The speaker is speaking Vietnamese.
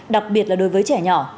đặc biệt là đối với trẻ nhỏ